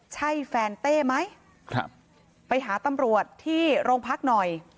ใช่แฟนเต้ไหมไปหาตำรวจที่โรงพักหน่อย